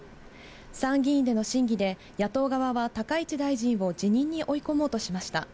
参議院での審議で、野党側は高市大臣を辞任に追い込もうとしました。